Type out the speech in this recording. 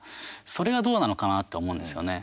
それがどうなのかなと思うんですよね。